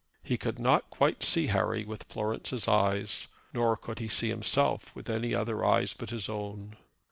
He could not quite see Harry with Florence's eyes nor could he see himself with any other eyes but his own.